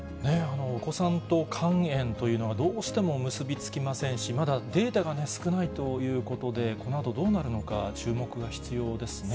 お子さんと肝炎というのがどうしても結び付きませんし、まだ、データが少ないということで、このあとどうなるのか注目が必要ですね。